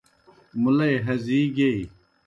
مُلئی ہزِی گیئی۔